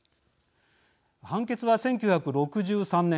判決は１９６３年